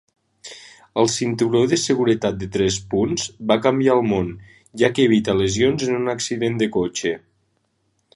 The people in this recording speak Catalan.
El cinturó de seguretat de tres punts va canviar el món, ja que evita lesions en un accident de cotxe.